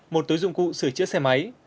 một tối dụng cụ sửa chữa xe máy